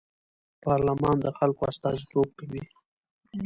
پارلمان د خلکو استازیتوب کوي